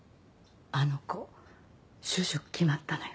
あの子就職決まったのよ。